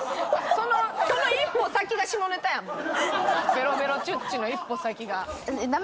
ベロベロチュッチュの一歩先が。